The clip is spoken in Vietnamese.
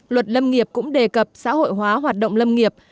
luật lâm nghiệp cũng đề cập xã hội hóa hoạt động lâm nghiệp